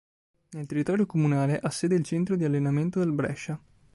Nel territorio comunale ha sede il centro di allenamento del Brescia.